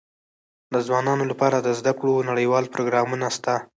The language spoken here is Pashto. د ځوانانو لپاره د زده کړو نړيوال پروګرامونه سته.